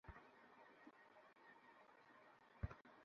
প্রতিটি হাসপাতালেই দরিদ্র রোগীদের জন্য বিনা পয়সায় চিকিৎসা করার বিধান আছে।